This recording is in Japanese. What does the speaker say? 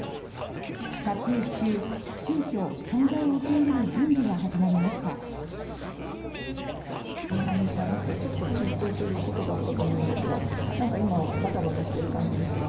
撮影中、急きょ患者を受け入れる準備が始まりました。